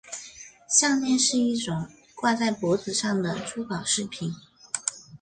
项链是一种挂在脖子上的珠宝饰品。